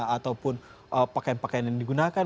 ataupun pakaian pakaian yang digunakan